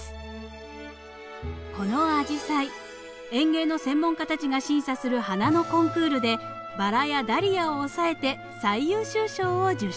このアジサイ園芸の専門家たちが審査する花のコンクールでバラやダリアを押さえて最優秀賞を受賞。